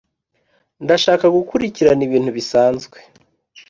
ndashaka gukurikirana ibintu bisanzwe